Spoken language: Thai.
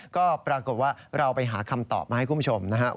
ก็ปรากฏว่าเราไปหาคำตอบมาให้คุณผู้ชมนะครับ